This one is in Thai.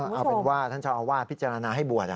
เอาเป็นว่าท่านเจ้าอาวาสพิจารณาให้บวช